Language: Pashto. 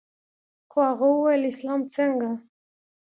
خو هغه وويل اسلام څنگه.